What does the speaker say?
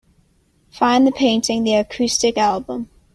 Find the painting The Acoustic Album